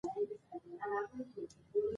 مېوې د افغانستان د کلتوري میراث برخه ده.